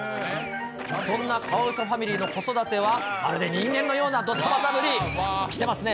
そんなカワウソファミリーの子育ては、まるで人間のようなドタバタぶり、きてますね。